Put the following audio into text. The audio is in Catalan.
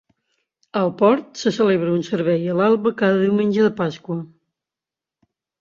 Al port se celebra un servei a l'alba cada Diumenge de Pasqua.